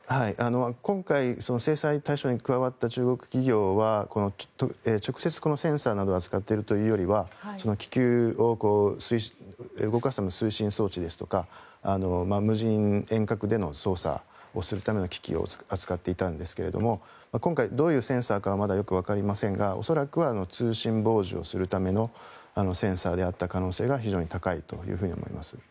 今回、制裁対象に加わった中国企業は直接、このセンサーなどを扱っているというよりは気球を動かす推進装置ですとか無人遠隔での操作をするための機器を扱っていたんですが今回、どういうセンサーかよくわかりませんが恐らく通信傍受をするためのセンサーであった可能性が非常に高いと思います。